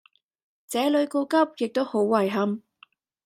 這裡告急亦都好遺憾